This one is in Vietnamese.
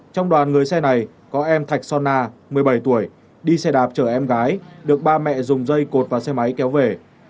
trong đoàn người xe này có em thạch son na một mươi bảy tuổi đi xe đạp chở em gái được ba mẹ dùng dây cột và xe máy kéo về